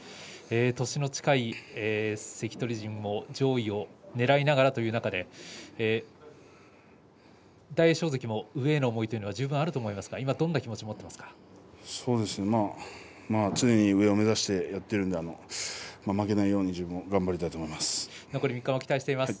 年の近い関取陣も上位をねらいながらという中で大栄翔関の上への思いは十分あると思いますが常に上を目指してやっているので負けないように自分も頑張りたいと思います。